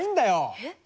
えっ？